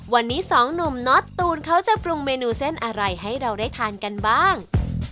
วันนี้สองหนุ่มน็อตตูนเขาจะปรุงเมนูเส้นอะไรให้เราได้ทานกันบ้าง